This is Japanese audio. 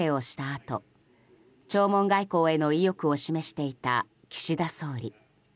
あと弔問外交への意欲を示していた岸田総理。